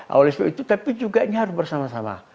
awal awal itu tapi juga harus bersama sama